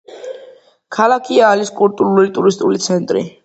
ქალაქი არის კულტურული და ტურისტული ცენტრი.